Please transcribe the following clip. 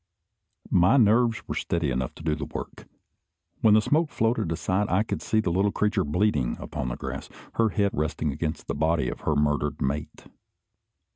My nerves were steady enough to do the work. When the smoke floated aside, I could see the little creature bleeding upon the grass, her head resting against the body of her murdered mate.